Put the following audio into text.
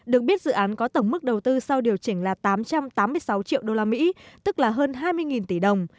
được biết dự án có tổng mức đầu tư sau điều chỉnh là tám trăm tám mươi sáu triệu usd tức là hơn hai mươi tỷ đồng